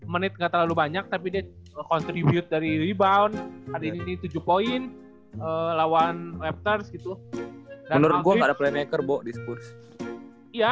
menit gak terlalu banyak tapi dia jadwalnya masih bisa main di game ini ya